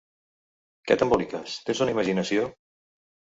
Què t'emboliques?: tens una imaginació...!